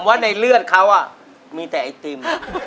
ว่าในเลือดเขามีแต่ไอติม